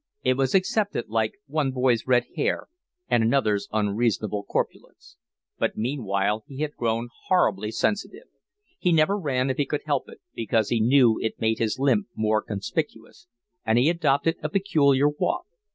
It was accepted like one boy's red hair and another's unreasonable corpulence. But meanwhile he had grown horribly sensitive. He never ran if he could help it, because he knew it made his limp more conspicuous, and he adopted a peculiar walk.